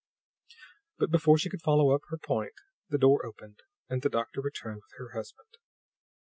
But before she could follow up her point the door opened and the doctor returned with her husband.